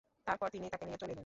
তারপর তিনি তাকে নিয়ে চলে এলেন।